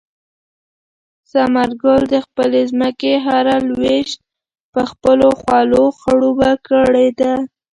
ثمر ګل د خپلې ځمکې هره لوېشت په خپلو خولو خړوبه کړې ده.